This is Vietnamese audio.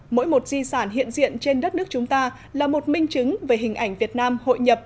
mỗi một di sản hiện diện trên đất nước chúng ta là một minh chứng về hình ảnh việt nam hội nhập